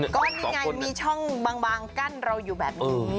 ก็นี่ไงมีช่องบางกั้นเราอยู่แบบนี้